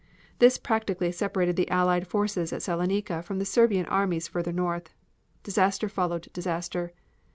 This practically separated the Allied forces at Saloniki from the Serbian armies further north. Disaster followed disaster.